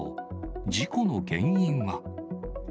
事故の原因は。